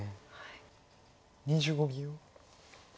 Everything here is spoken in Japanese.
２５秒。